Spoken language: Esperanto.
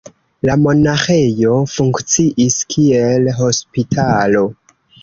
La monaĥejo funkciis kiel hospitalo.